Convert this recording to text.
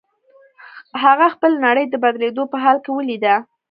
هغه خپله نړۍ د بدلېدو په حال کې وليده.